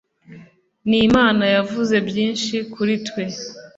nimana yavuze byinshi kuri twe